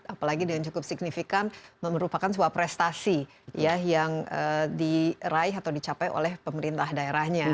apalagi dengan cukup signifikan merupakan sebuah prestasi yang diraih atau dicapai oleh pemerintah daerahnya